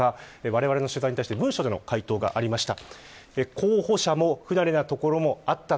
われわれの取材に対して文書での回答がありました。